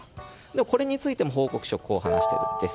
これについても報告書は、こう話しています。